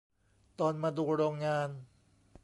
ตอนมาดูโรงงาน